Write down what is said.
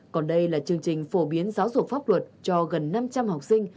còn đây là chương trình phổ biến giáo dục pháp luật cho gần năm trăm linh học sinh